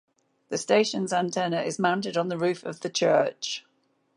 The station's antenna is mounted on the roof of the church.